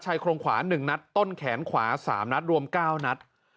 ชัยโครงขวาหนึ่งนัดต้นแขนขวาสามนัดรวมเก้านัด